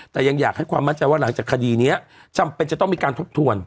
แต่ยังอยากให้ความมั่นใจว่าหลังจากคดีนี้จำเป็นจะต้องมีการทบทวน